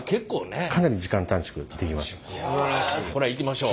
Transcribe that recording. これはいきましょう。